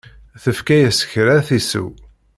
Tefka-as kra ad t-isew.